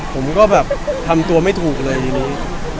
ผมก็แบบทำตัวไม่ถูกเลยทีนี้